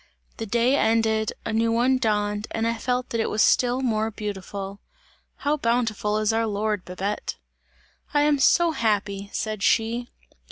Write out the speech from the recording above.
The day ended, a new one dawned and I felt that it was still more beautiful! How bountiful is our Lord, Babette!" "I am so happy!" said she.